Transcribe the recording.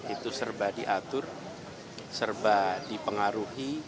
itu serba diatur serba dipengaruhi